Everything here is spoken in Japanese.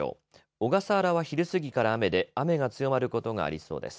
小笠原は昼過ぎから雨で雨が強まることがありそうです。